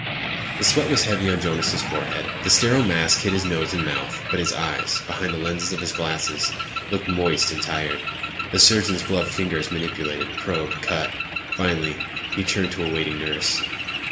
The sweat was heavy on Jonas' forehead. The sterile mask hid his nose and mouth, but his eyes, behind the lenses of his glasses, looked moist and tired. The surgeon's gloved fingers manipulated, probed, cut. Finally, he turned to a waiting nurse.